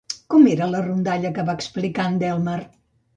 Com era la rondalla que va explicar en Delmar?